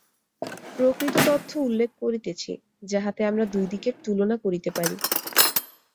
প্রকৃত তথ্য উল্লেখ করিতেছি, যাহাতে আমরা দুই দিকের তুলনা করিতে পারি।